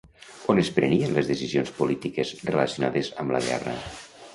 On es prenien les decisions polítiques relacionades amb la guerra?